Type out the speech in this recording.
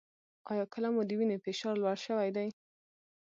ایا کله مو د وینې فشار لوړ شوی دی؟